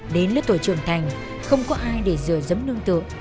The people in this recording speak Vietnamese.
đến lứa tuổi trưởng thành không có ai để dừa dấm nương tượng